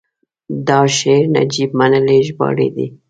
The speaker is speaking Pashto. دا شعر نجیب منلي ژباړلی دی: